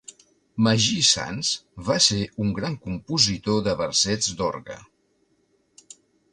Magí Sans va ser un gran compositor de versets d'orgue.